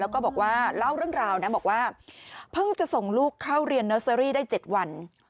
เข้าเรียนเนอร์เซอรี่ได้๗วัน